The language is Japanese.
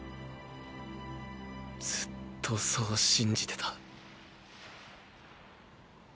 ずっとそう信じてた。